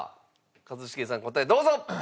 一茂さん答えどうぞ！